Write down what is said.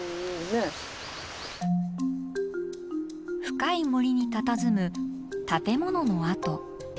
深い森にたたずむ建物の跡。